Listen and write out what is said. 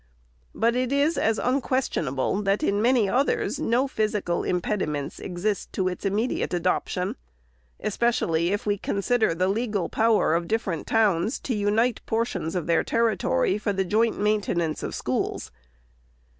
But it is as unquestionable, that in many others no physical impediments exist to its immediate adoption ; especially if we consider the legal power of different towns to unite portions of their territory for the joint maintenance of schools.